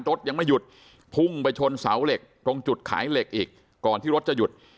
รถยังไม่หยุดพุ่งไปชนเสาเหล็กตรงจุดขายเหล็กอีกก่อนที่รถจะหยุด